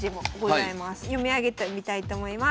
読み上げてみたいと思います。